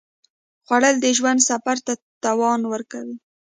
خوړل د ژوند سفر ته توان ورکوي